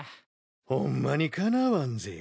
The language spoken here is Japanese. ホンマにかなわんぜよ。